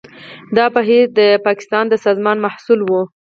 دا بهیر د پاکستان د سازمان محصول و.